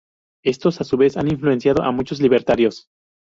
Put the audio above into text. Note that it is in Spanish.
Estos a su vez han influenciado a muchos libertarios.